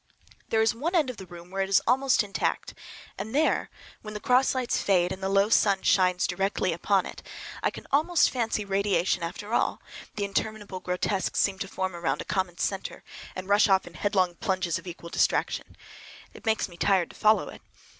There is one end of the room where it is almost intact, and there, when the cross lights fade and the low sun shines directly upon it, I can almost fancy radiation after all,—the interminable grotesques seem to form around a common centre and rush off in headlong plunges of equal distraction. It makes me tired to follow it.